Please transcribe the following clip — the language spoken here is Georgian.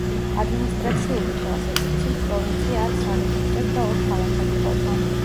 ადმინისტრაციული თვალსაზრისით, პროვინცია ათ სარეგენტოდ და ორ ქალაქად იყოფა.